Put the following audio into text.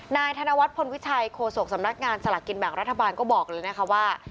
นายธนวัฒนพลวิชัยโฆษกสำนักงานสลากกินแบ่งรัฐบาลก็บอกเลยนะคะว่า